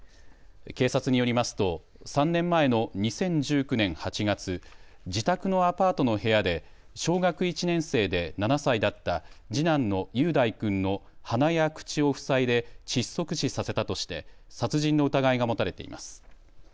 警察によりますと３年前の２０１９年８月、自宅のアパートの部屋で小学１年生で７歳だった次男の雄大君の鼻や口を塞いで窒息死させたとして殺人の疑いが持たれています。